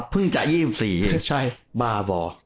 เพิ่งจะ๒๔บ้าบอก